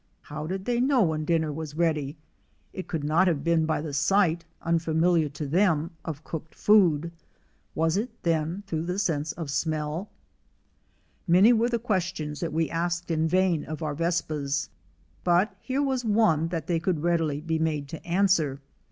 How did they know when dinner was ready ? It could not have been by the sight, unfamiliar to them, of cooked food ; was it, then, through the sense of smeU? Many were the questions that we asked in vain of our Vespas, but here was one that they could readily be made to answer.